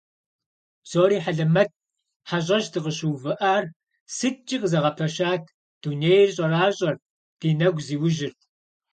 Псори хьэлэмэтт, хьэщӀэщ дыкъыщыувыӀар сыткӀи къызэгъэпэщат, дунейр щӀэращӀэрт, ди нэгу зиужьырт…